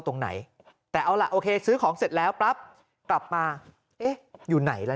ตรงไหนแต่เอาล่ะโอเคซื้อของเสร็จแล้วปั๊บกลับมาเอ๊ะอยู่ไหนล่ะ